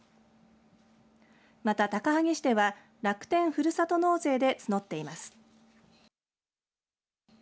また、高萩市では楽天ふるさと納税で募っています。